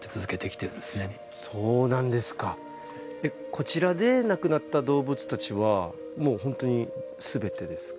こちらで亡くなった動物たちはもう本当に全てですか？